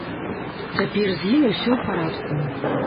Цяпер з ім усё ў парадку.